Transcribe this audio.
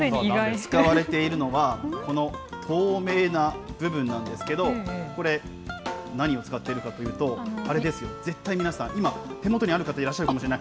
使われているのは、この透明な部分なんですけど、これ、何を使っているかというと、あれですよ、絶対皆さん今、手元にある方いらっしゃるかもしれない。